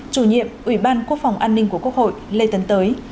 chủ nhiệm ủy ban quốc phòng an ninh của quốc hội lê tấn tới